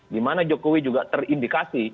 dimana jokowi juga terindikasi